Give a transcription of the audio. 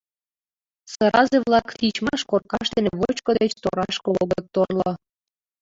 Сыразе-влак тичмаш коркашт дене вочко деч торашке огыт торло.